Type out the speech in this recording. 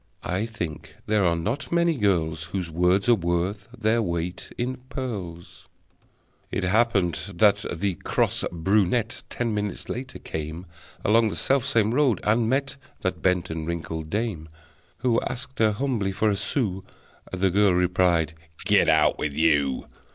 (I think there are not many girls Whose words are worth their weight in pearls!) It happened that the cross brunette, Ten minutes later, came Along the self same road, and met That bent and wrinkled dame, Who asked her humbly for a sou. The girl replied: "Get out with you!"